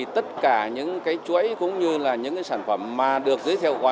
tất cả những chuỗi cũng như những sản phẩm mà được giới thiệu gọi là